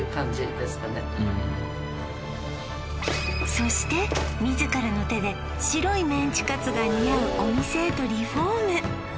そして自らの手で白いメンチカツが似合うお店へとリフォーム